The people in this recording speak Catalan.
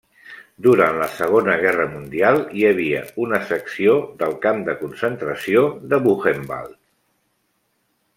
Durant la Segona Guerra Mundial hi havia una secció del camp de concentració de Buchenwald.